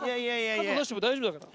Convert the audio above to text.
傘さしても大丈夫だから。